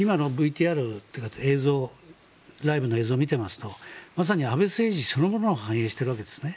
今のＶＴＲというかライブの映像を見ていますとまさに安倍政治そのものを反映しているわけですね。